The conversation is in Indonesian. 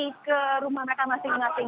pergi ke rumah mereka masing masing